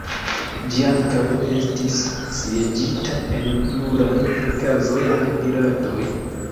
Ĝi ankaŭ estis sieĝita, en pluraj okazoj, de piratoj.